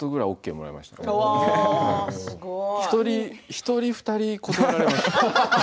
１人、２人断られました。